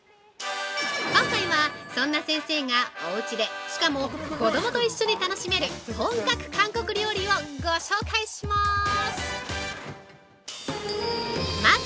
今回はそんな先生が、おうちで、しかも子供と一緒に楽しめる本格韓国料理をご紹介します！